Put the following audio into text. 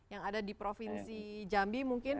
yang ada di provinsi jambi mungkin